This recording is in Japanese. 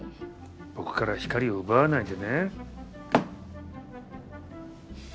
僕から光を奪わないでね。